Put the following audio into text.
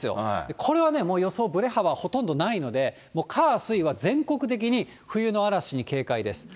これは予報、もうぶれ幅はほとんどないので、火、水は全国的に冬の嵐に警戒です。